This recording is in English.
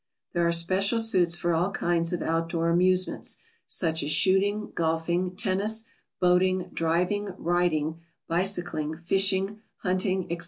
] There are special suits for all kinds of outdoor amusements, such as shooting, golfing, tennis, boating, driving, riding, bicycling, fishing, hunting, &c.